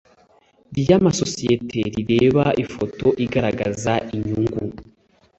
ry amasosiyete rireba ifoto igaragaza inyungu